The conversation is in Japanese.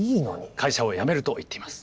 会社を辞めると言っています。